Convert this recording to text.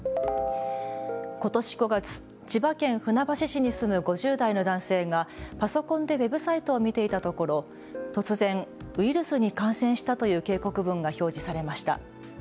ことし５月、千葉県船橋市に住む５０代の男性がパソコンでウェブサイトを見ていたところ突然、ウイルスに感染したという警告文が表示されました。